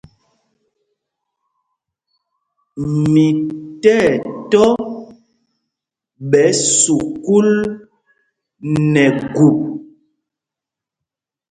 Mi tí ɛtɔ̄ ɓɛ̌ sukûl nɛ gup.